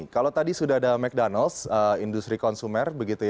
kalau tadi sudah ada mcdonald's industri consumer